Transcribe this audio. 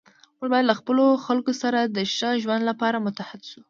موږ باید له خپلو خلکو سره د ښه ژوند لپاره متحد شو.